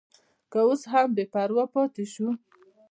که اوس هم بې پروا پاتې شو.